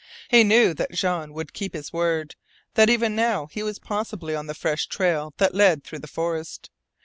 He knew that Jean would keep his word that even now he was possibly on the fresh trail that led through the forest.